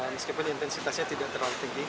meskipun intensitasnya tidak terlalu tinggi